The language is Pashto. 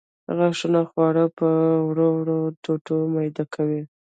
غاښونه خواړه په وړو وړو ټوټو میده کوي.